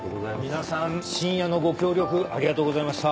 皆さん深夜のご協力ありがとうございました。